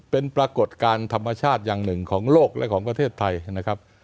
เป็นปรากฏการณ์ธรรมชาติอย่างหนึ่งของโลกและของประเทศไทยนะครับ